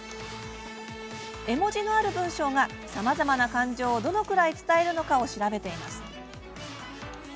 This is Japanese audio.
絵文字のある文章がさまざまな感情をどのくらい伝えるのかを調べています。